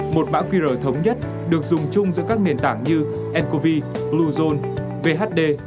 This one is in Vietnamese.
một mã qr thống nhất được dùng chung giữa các nền tảng như encovi bluezone vhd